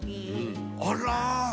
あら。